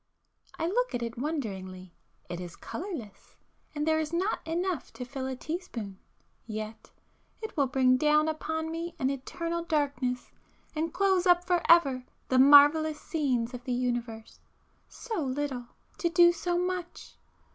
I look at it wonderingly. It is colourless,—and there is not enough to fill a teaspoon, ... yet ... it will bring down upon me an eternal darkness, and close up for ever the marvellous scenes of the universe! So little!—to do so much!